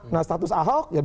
nah status ahok ya bisa jadi